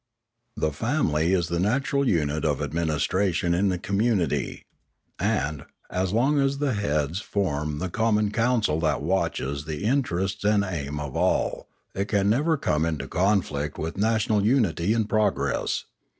The family is the natural unit of administration in a community ; and, as long as the heads form the com mon council that watches the interests and aim of all, it can never come into conflict with national unity and Polity 535 progress.